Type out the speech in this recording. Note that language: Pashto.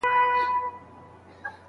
له آسمانه به راتللې بیرته کورته